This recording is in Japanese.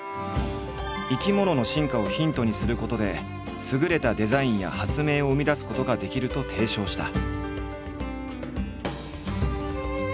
生き物の進化をヒントにすることで優れたデザインや発明を生み出すことができると提唱した。